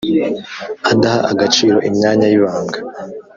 Adaha agaciro imyanya y’ibanga